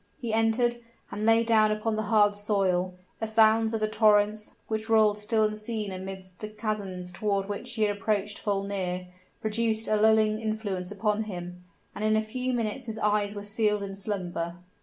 He entered, and lay down upon the hard soil; the sounds of the torrents, which rolled still unseen amidst the chasms toward which he had approached full near, produced a lulling influence upon him, and in a few minutes his eyes were sealed in slumber.